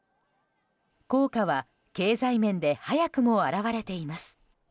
効果は経済面で早くも現れています。